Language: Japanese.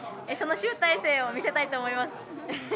その集大成を見せたいと思います。